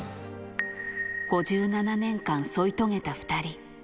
５７年間添い遂げた２人。